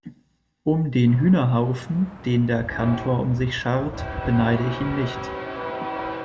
Um den Hühnerhaufen, den der Kantor um sich schart, beneide ich ihn nicht.